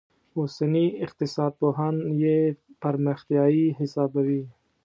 اوسني اقتصاد پوهان یې پرمختیايي حسابوي.